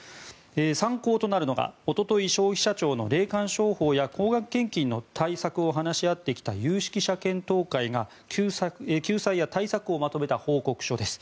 参考となるのが、おととい消費者庁の霊感商法や高額献金の対策を話し合ってきた有識者検討会が救済や対策をまとめた報告書です。